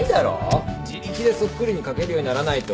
自力でそっくりに書けるようにならないと。